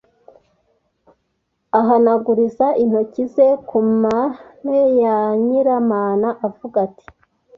ahanaguriza intoki ze ku maenre ya Nyiramana avuga ati: